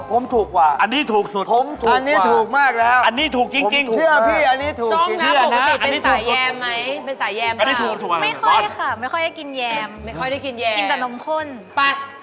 ผมถูกกว่าอันนี้ถูกสุดผมถูกกว่าอันนี้ถูกมากแล้วอันนี้ถูกจริงเชื่อพี่อันนี้ถูก